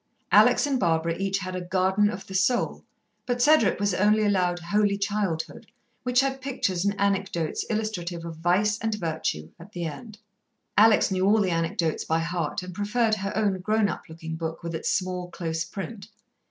Alex and Barbara each had a Garden of the Soul, but Cedric was only allowed Holy Childhood which had pictures and anecdotes illustrative of Vice and Virtue at the end. Alex knew all the anecdotes by heart, and preferred her own grown up looking book with its small, close print.